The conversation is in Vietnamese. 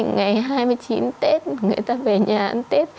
ngày hai mươi chín tết người ta về nhà ăn tết